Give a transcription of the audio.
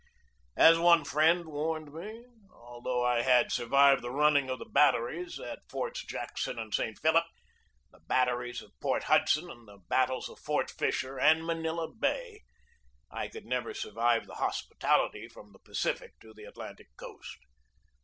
As one friend warned me, although I had sur vived the running of the batteries of Forts Jackson and St. Philip, the batteries of Port Hudson and the battles of Fort Fisher and Manila Bay, I could never survive the hospitality from the Pacific to the Atlantic coast.